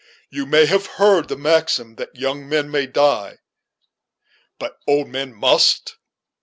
You may have heard the maxim, that 'young men may die, but that old men must'."